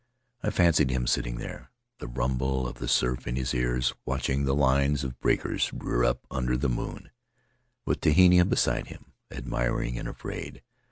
I fancied him sitting there — the rumble of the surf in his ears, watching the lines of breakers rear up under the moon — with Tehina beside him, admiring and afraid.